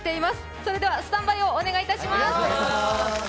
それではスタンバイをお願いいたします。